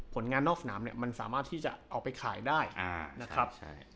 งานนอกสนามเนี่ยมันสามารถที่จะเอาไปขายได้นะครับ